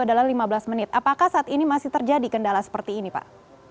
adalah lima belas menit apakah saat ini masih terjadi kendala seperti ini pak